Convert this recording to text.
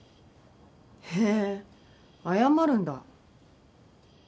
へえ謝るんだ？